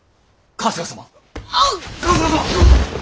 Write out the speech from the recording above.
春日様！